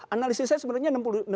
analisis saya sebenarnya enam sebelas